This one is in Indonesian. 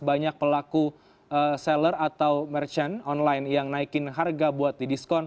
banyak pelaku seller atau merchant online yang naikin harga buat di diskon